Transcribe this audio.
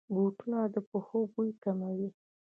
بوټونه د پښو بوی کموي.